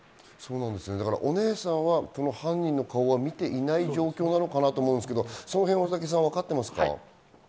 お姉さんは犯人の顔を見ていない状況なのかなと思うんですけれども、その辺わかっていますか？